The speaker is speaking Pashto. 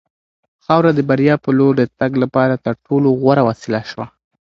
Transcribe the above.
خاوره د بریا په لور د تګ لپاره تر ټولو غوره وسیله شوه.